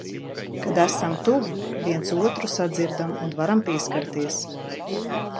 Kad esam tuvi, viens otru sadzirdam un varam pieskarties.